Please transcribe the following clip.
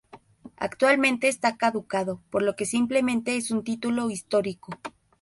Actualmente está caducado, por lo que simplemente es un título histórico.